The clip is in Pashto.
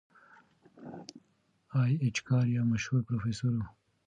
ای اېچ کار یو مشهور پروفیسور و.